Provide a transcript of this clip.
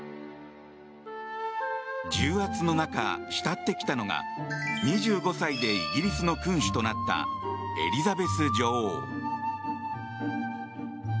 重圧の中、慕ってきたのが２５歳でイギリスの君主となったエリザベス女王。